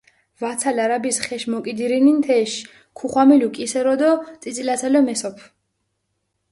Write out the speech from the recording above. ვაცალ არაბის ხეში მოკიდირინი თეში, ქუხვამილუ კისერო დო წიწილაცალო მესოფჷ.